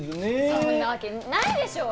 そんなわけないでしょ！